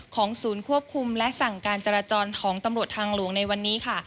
ศูนย์ควบคุมและสั่งการจราจรของตำรวจทางหลวงในวันนี้ค่ะ